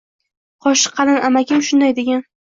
Qoshi qalin amakim shunday degan